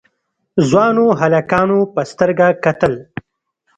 ځوانو هلکانو په سترګه کتل.